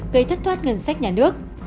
gây thất thoát ngân sách nhà nước